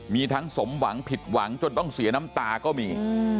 มีทั้งสมหวังผิดหวังจนต้องเสียน้ำตาก็มี